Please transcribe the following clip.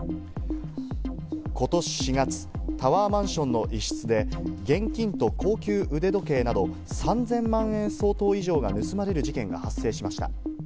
ことし４月、タワーマンションの一室で現金と高級腕時計など３０００万円相当以上が盗まれる事件が発生しました。